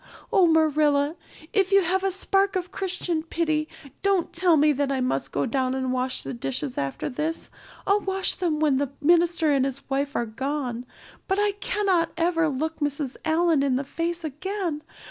Oh, Marilla, if you have a spark of Christian pity don't tell me that I must go down and wash the dishes after this. I'll wash them when the minister and his wife are gone, but I cannot ever look Mrs. Allan in the face again.